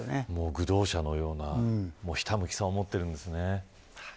求道者のようなひたむきさを持っているんですね。